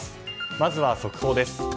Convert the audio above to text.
まずは速報です。